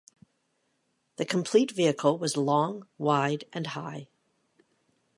The complete vehicle was long, wide and high.